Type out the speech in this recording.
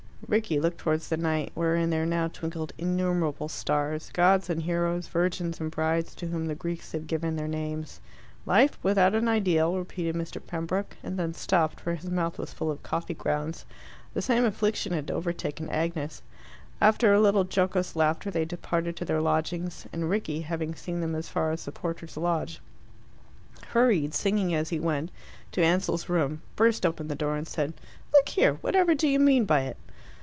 Rickie looked towards the night, wherein there now twinkled innumerable stars gods and heroes, virgins and brides, to whom the Greeks have given their names. "Life without an ideal " repeated Mr. Pembroke, and then stopped, for his mouth was full of coffee grounds. The same affliction had overtaken Agnes. After a little jocose laughter they departed to their lodgings, and Rickie, having seen them as far as the porter's lodge, hurried, singing as he went, to Ansell's room, burst open the door, and said, "Look here! Whatever do you mean by it?"